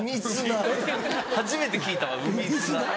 初めて聞いたわ海砂。